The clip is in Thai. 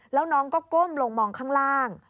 แล้วน้องก็ก้มลงมองข้างล่าง